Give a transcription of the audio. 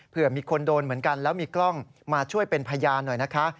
เพื่อมีคนโดนเหมือนกันแล้วมีกล้องมาช่วยเป็นพยานหน่อยนะคะ